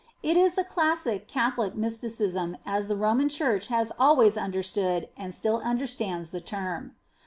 It is the classic Catholic Mysticism, as the Roman Church has always understood and still understands the term.